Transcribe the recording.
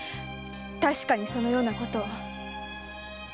確かにそのようなことを。